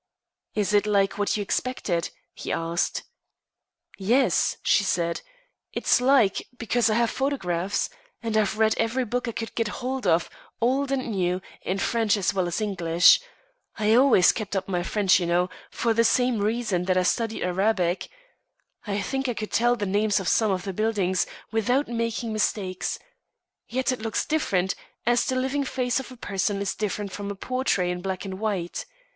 "Is it like what you expected?" he asked. "Yes," she said, "it's like, because I have photographs. And I've read every book I could get hold of, old and new, in French as well as English. I always kept up my French, you know, for the same reason that I studied Arabic. I think I could tell the names of some of the buildings, without making mistakes. Yet it looks different, as the living face of a person is different from a portrait in black and white.